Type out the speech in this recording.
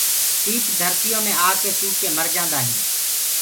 سيٚپ ڌرتيو مي آڪي سوُڪ ڪي مرجآندآ هي۔